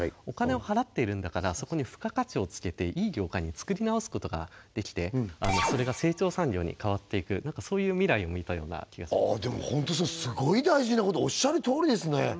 お金を払っているんだからそこに付加価値をつけていい業界につくり直すことができてそれが成長産業に変わっていくなんかそういう未来を見たような気がしますでもホントそうすごい大事なことおっしゃるとおりですね